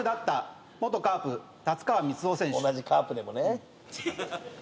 同じカープでもね。